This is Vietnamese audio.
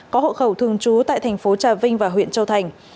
có hộ khẩu thường trú tại thành phố trà vinh và huyện châu thành